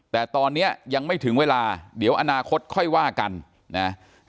แต่ตอนนี้ยังไม่ถึงเวลาเดี๋ยวอนาคตค่อยว่ากันนะ